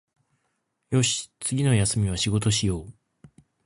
よし、次の休みは仕事しよう